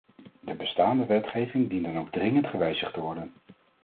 De bestaande wetgeving dient dan ook dringend gewijzigd te worden.